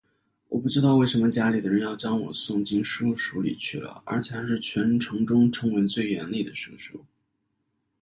我不知道为什么家里的人要将我送进书塾里去了而且还是全城中称为最严厉的书塾